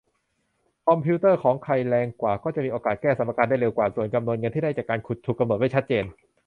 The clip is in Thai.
คอมพิวเตอร์ของใครแรงกว่าก็จะมีโอกาสแก้สมการได้เร็วกว่า ส่วนจำนวนเงินที่ได้จากการขุดถูกกำหนดไว้ชัดเจน